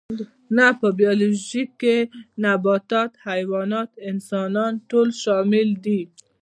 نه په بیولوژي کې نباتات حیوانات او انسانان ټول شامل دي